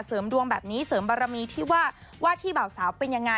เสริมดวงแบบนี้เสริมบารมีที่ว่าว่าที่เบาสาวเป็นยังไง